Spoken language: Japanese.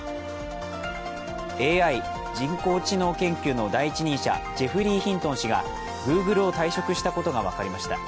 ＡＩ＝人工知能研究の第一人者、ジェフリー・ヒントン氏が、Ｇｏｏｇｌｅを退職したことが分かりました。